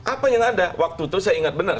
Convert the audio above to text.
apa yang ada waktu itu saya ingat benar